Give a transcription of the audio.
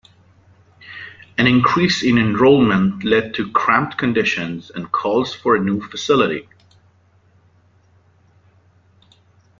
An increase in enrollment led to cramped conditions and calls for a new facility.